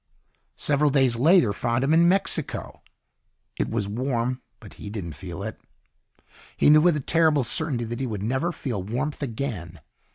Several days later found him in Mexico. It was warm but he didn't feel it. He knew with a terrible certainty that he would never feel warmth again.